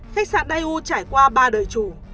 khách sạn dai u trải qua ba đời chủ